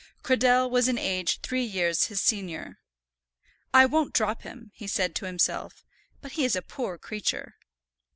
Cradell was in age three years his senior. "I won't drop him," he said to himself; "but he is a poor creature."